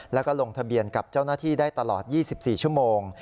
แล้วก็ลงทะเบียนกับเจ้าหน้าที่ได้ตลอด๒๔ชั่วโมง